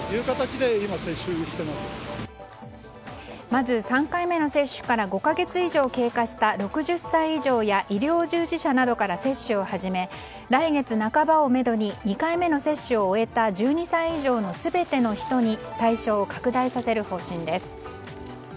まず、３回目の接種から５か月以上経過した６０歳以上や医療従事者などから接種を始め来月半ばをめどに２回目の接種を終えた１２歳以上の全ての人に対象を拡大させる方針です。